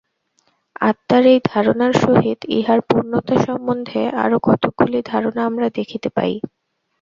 আত্মার এই ধারণার সহিত ইহার পূর্ণতা সম্বন্ধে আরও কতকগুলি ধারণা আমরা দেখিতে পাই।